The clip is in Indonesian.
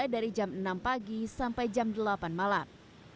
dari pagi sampai jam delapan malam